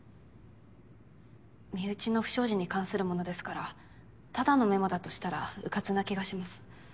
身内の不祥事に関するものですからただのメモだとしたら迂闊な気がします。